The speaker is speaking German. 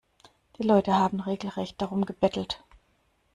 Die Leute haben regelrecht darum gebettelt.